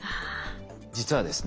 実はですね